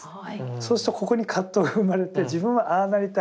そうするとここに葛藤が生まれて自分はああなりたい。